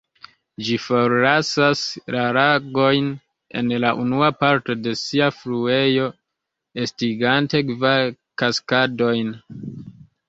Ĝi forlasas la lagojn, en la unua parto de sia fluejo, estigante kvar kaskadojn.